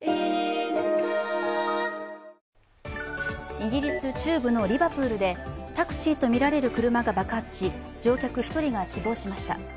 イギリス中部のリバプールでタクシーとみられる車が爆発し、乗客１人が死亡しました。